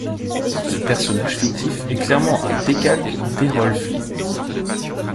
Ce personnage fictif est clairement un décalque d'Errol Flynn.